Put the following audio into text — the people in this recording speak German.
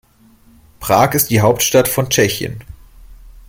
Prag ist die Hauptstadt von Tschechien.